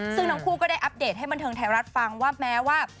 ซึ่งทั้งคู่ก็ได้อัปเดตให้บันเทิงไทยรัฐฟังว่าแม้ว่า